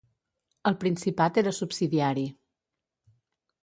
El principat era subsidiari.